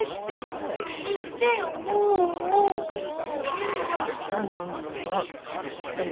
言いました何度も。